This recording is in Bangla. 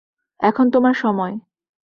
এখন তোমার সময়।